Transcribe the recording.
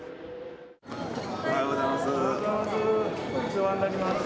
おはようございます。